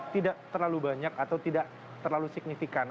tidak terlalu banyak atau tidak terlalu signifikan